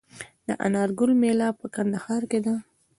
د انار ګل میله په کندهار کې ده.